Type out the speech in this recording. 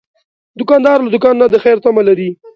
دوکاندار له دوکان نه د خیر تمه لري.